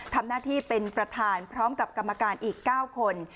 ทำหน้าที่เป็นประธานพร้อมกับกรรมการอีก๙คน